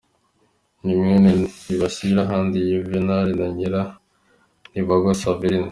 Ni mwene Ntibashirakandi Yuvenali na Nyirantibangwa Saverina.